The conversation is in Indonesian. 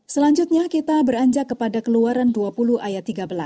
selanjutnya kita beranjak kepada keluaran dua puluh ayat tiga belas